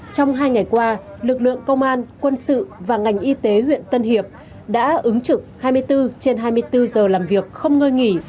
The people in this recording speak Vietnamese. trong hai ngày qua lực lượng công an quân sự và ngành y tế huyện tân hiệp đã ứng trực hai mươi bốn trên hai mươi bốn giờ làm việc không ngơi nghỉ